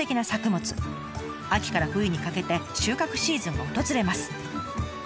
秋から冬にかけて収穫シーズンが訪れます。